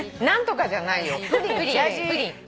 何とかじゃないよ